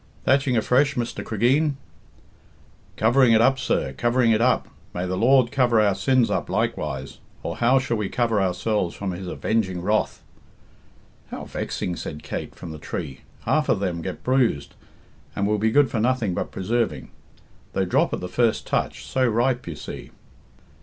"Thatching afresh, Mr. Cregeen?" "Covering it up, sir; covering it up. May the Lord cover our sins up likewise, or how shall we cover ourselves from His avenging wrath?" "How vexing!" said Kate, from the tree. "Half of them get bruised, and will be good for nothing but preserving. They drop at the first touch so ripe, you see."